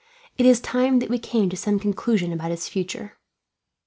It is time that we came to some conclusion about his future."